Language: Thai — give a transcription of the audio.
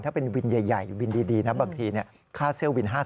ถ้าเป็นวินใหญ่วินดีนะบางทีเนี่ยค่าเสื้อวิน๕๐๐๐๐๐บาท